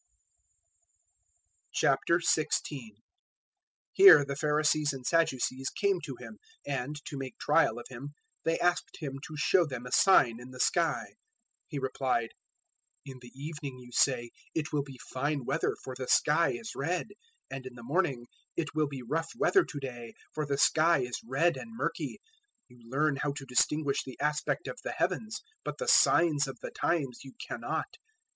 016:001 Here the Pharisees and Sadducees came to Him; and, to make trial of Him, they asked Him to show them a sign in the sky. 016:002 He replied, "In the evening you say, `It will be fine weather, for the sky is red;' 016:003 and in the morning, `It will be rough weather to day, for the sky is red and murky.' You learn how to distinguish the aspect of the heavens, but the signs of the times you cannot.